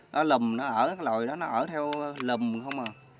nó lùm nó ở loài đó nó ở theo lùm không à